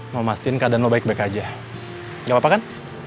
mau mastiin keadaan lo baik baik aja gapapa kan